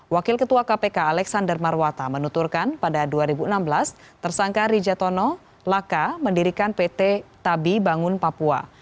wakil ketua kpk alexander marwata menuturkan pada dua ribu enam belas tersangka rijatono laka mendirikan pt tabi bangun papua